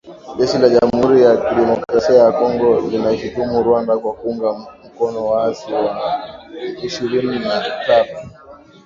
Jeshi la jamuhuri ya kidemokrasia ya Kongo linaishutumu Rwanda kwa kuunga mkono waasi wa M ishirini na tatu